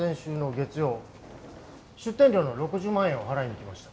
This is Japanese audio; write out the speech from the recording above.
出店料の６０万円を払いに行きました。